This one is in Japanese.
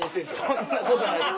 そんなことないです